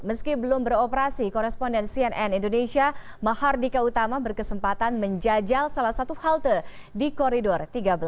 meski belum beroperasi koresponden cnn indonesia mahardika utama berkesempatan menjajal salah satu halte di koridor tiga belas